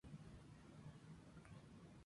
Pasan el invierno en el estadio adulto.